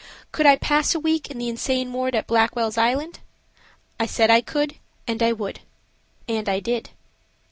Could I pass a week in the insane ward at Blackwell's Island? I said I could and I would. And I did.